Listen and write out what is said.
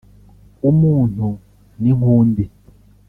“Umuntu ni nk’Undi”